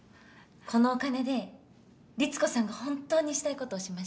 このお金でリツコさんが本当にしたいことをしましょう。